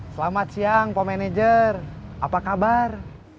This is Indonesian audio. selamat siang pak manajer apa kabar